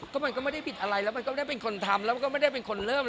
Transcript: ก็มันก็ไม่ได้ผิดอะไรแล้วมันก็ได้เป็นคนทำแล้วก็ไม่ได้เป็นคนเริ่ม